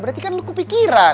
berarti kan lo kepikiran